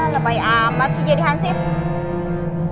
lebay amat sih jadi ansih